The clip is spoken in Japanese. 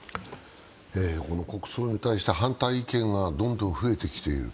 国葬に対して反対意見がどんどん増えてきている。